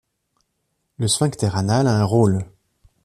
Le sphincter anal a un rôle.